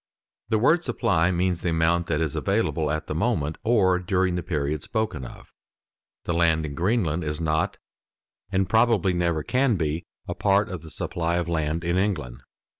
The word supply means the amount that is available at the moment or during the period spoken of. The land in Greenland is not, and probably never can be, a part of the supply of land in England.